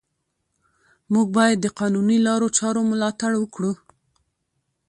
موږ باید د قانوني لارو چارو ملاتړ وکړو